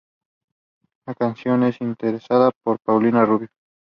La canción es interpretada por Paulina Rubio.